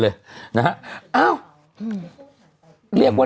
ดื่มน้ำก่อนสักนิดใช่ไหมคะคุณพี่